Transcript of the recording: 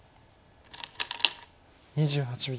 ２８秒。